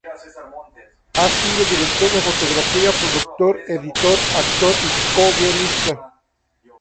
Ha sido director de fotografía, productor, editor, actor y coguionista.